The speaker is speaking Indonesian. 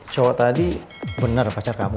cowok tadi benar pacar kamu